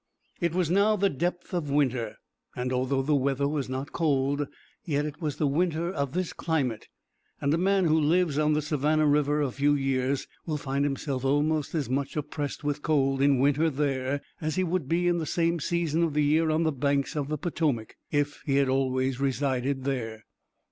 It was now the depth of winter, and although the weather was not cold, yet it was the winter of this climate; and a man who lives on the Savannah river a few years, will find himself almost as much oppressed with cold, in winter there, as he would be in the same season of the year on the banks of the Potomac, if he had always resided there.